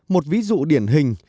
một ví dụ điển hình